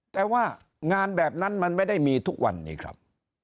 แต่ว่างานแบบนั้นมันไม่ได้มีทุกวันนี้ครับ